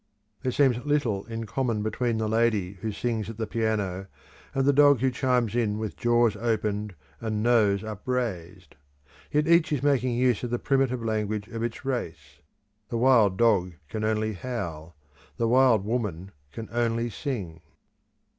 There seems little in common between the lady who sings at the piano and the dog who chimes in with jaws opened and nose upraised; yet each is making use of the primitive language of its race the wild dog can only howl, the wild woman can only sing.